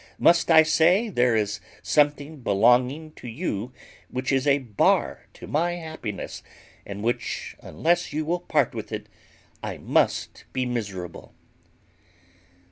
Must I say there is something belonging to you which is a bar to my happiness, and which unless you will part with, I must be miserable!"